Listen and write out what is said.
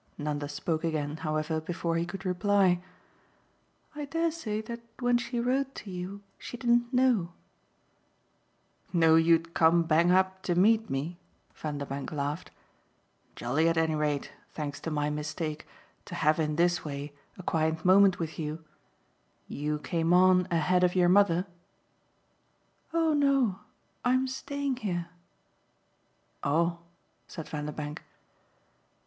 Nanda spoke again, however, before he could reply. "I dare say that when she wrote to you she didn't know." "Know you'd come bang up to meet me?" Vanderbank laughed. "Jolly at any rate, thanks to my mistake, to have in this way a quiet moment with you. You came on ahead of your mother?" "Oh no I'm staying here." "Oh!" said Vanderbank.